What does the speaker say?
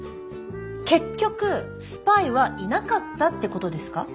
結局スパイはいなかったってことですか？